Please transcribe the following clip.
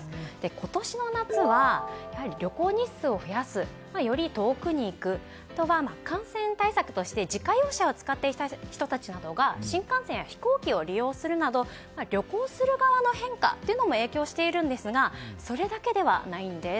今年の夏は、旅行日数を増やすより遠くに行くあとは感染対策として自家用車を使っていた人たちなどが新幹線や飛行機を利用するなど旅行する側の変化というのも影響しているんですがそれだけではないんです。